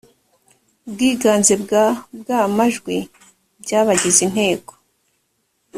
bwiganze bwa… bw’amajwi by’abagize inteko